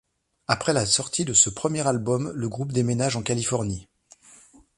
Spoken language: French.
Après la sortie de ce premier album, le groupe déménage en Californie.